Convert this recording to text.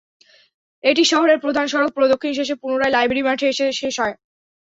এটি শহরের প্রধান সড়ক প্রদক্ষিণ শেষে পুনরায় লাইব্রেরি মাঠে এসে শেষ হয়।